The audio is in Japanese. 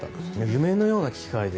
夢のような機械で。